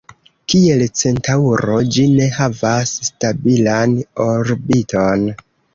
Kiel Centaŭro, ĝi ne havas stabilan orbiton.